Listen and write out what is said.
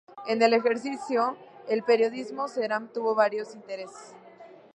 En el ejercicio del periodismo, Ceram tuvo varios intereses.